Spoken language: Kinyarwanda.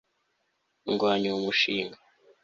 ndwanya uwo mushinga